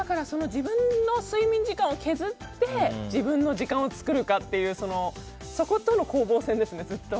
自分の睡眠時間を削って自分の時間を作るかっていうそことの攻防戦ですね、ずっと。